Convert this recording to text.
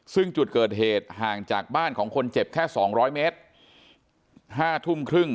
ซึ่งจุดเกิดเหตุยังมีคนเจ็บใกล้๒๐๐เมตร